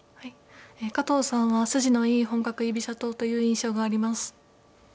加藤さんは筋のいい本格居飛車党という印象があります。